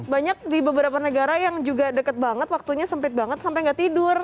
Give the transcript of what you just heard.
banyak di beberapa negara yang juga deket banget waktunya sempit banget sampai gak tidur